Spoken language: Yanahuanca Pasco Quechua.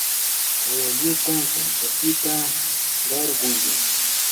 kawalluta kanchapita qarquy.